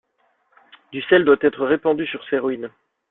Du sel doit être répandu sur ses ruines.